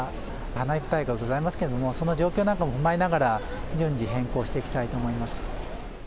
花火大会がございますけれども、その状況なんかも踏まえながら、順次変更していきたいと思います。